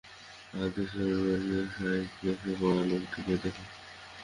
আর ধূসর রঙয়ের স্ল্যাকস পড়া লোকটিকে দেখো।